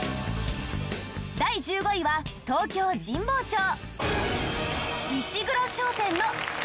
第１５位は東京神保町。